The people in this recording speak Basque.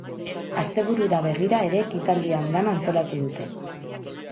Asteburura begira ere ekitaldi andana antolatu dute.